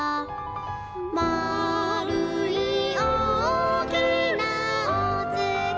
「まるいおおきなおつきさま」